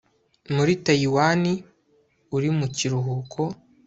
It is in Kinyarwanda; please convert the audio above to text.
muri Tayiwani uri mu kiruhuko